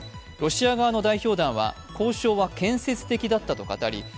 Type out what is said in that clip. ロシア側の代表団は交渉は建設的だったと語り